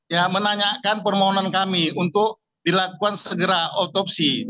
ya menanyakan permohonan kami untuk dilakukan segera otopsi